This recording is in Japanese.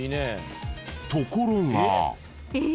［ところが］え！？